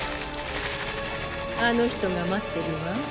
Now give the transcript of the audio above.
あの人が待ってるわ。